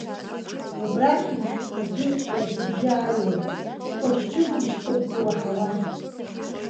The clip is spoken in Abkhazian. Убрахьынтә аӡәы иаӷьбжьы ааҩуан, ҟыгә-чыгәбыжьқәакгьы уаҳауан.